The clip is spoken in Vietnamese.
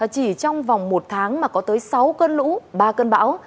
chỉ trong vòng một tháng mà có tới sáu cơn lũ ba cơn bão